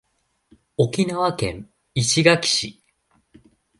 沖縄県石垣市